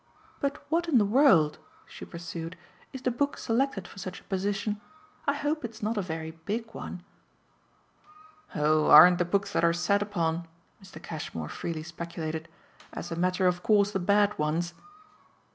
"But what in the world," she pursued, "is the book selected for such a position? I hope it's not a very big one." "Oh aren't the books that are sat upon," Mr. Cashmore freely speculated, "as a matter of course the bad ones?"